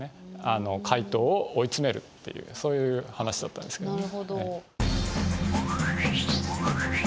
怪盗を追い詰めるっていうそういう話だったんですけどね。